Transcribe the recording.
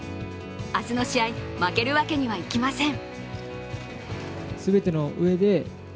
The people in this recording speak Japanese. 明日の試合、負けるわけにはいきません。